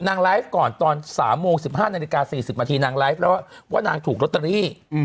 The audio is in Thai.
นางไลฟ์ก่อนตอนสามโมงสิบห้านาฬิกาสี่สิบนาทีนางไลฟ์แล้วว่านางถูกล็อตเตอรี่อืม